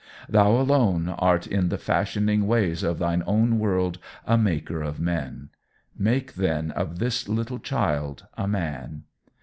Thou alone art in the fashioning ways of Thine own world a Maker of Men: make then of this little child a Man.